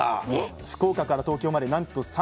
福岡から東京までなんと３５時間。